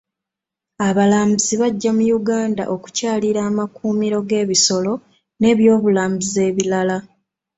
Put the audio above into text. Abalambuzi bajja mu Uganda okukyalira amakuumiro g'ebisolo nebyobulambuzi ebirala.